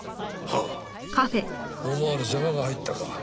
思わぬ邪魔が入ったか。